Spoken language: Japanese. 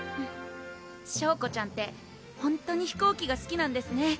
翔子ちゃんってほんとに飛行機がすきなんですね